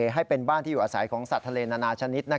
ให้เป็นบ้านที่อยู่อาศัยของสัตว์ทะเลนานาชนิด